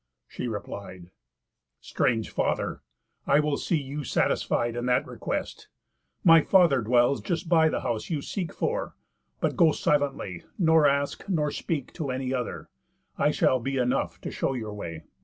She replied: "Strange father, I will see you satisfied In that request. My father dwells just by The house you seek for; but go silently, Nor ask, nor speak to any other, I Shall be enough to show your way.